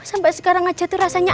sampai sekarang aja tuh rasanya